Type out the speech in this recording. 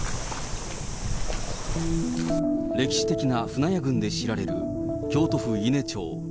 歴史的な舟屋群で知られる京都府伊根町。